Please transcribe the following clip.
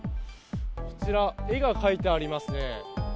こちら、絵が描いてありますね。